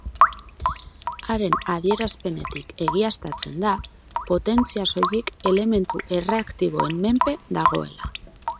Haren adierazpenetik egiaztatzen da potentzia soilik elementu erreaktiboen menpe dagoela.